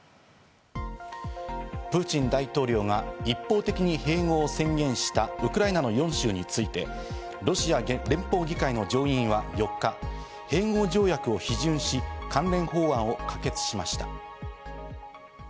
プーチン大統領が一方的に併合を宣言したウクライナの４州についてロシア連邦議会の上院は４日、併合条約を批准し、関連法案を可決しました。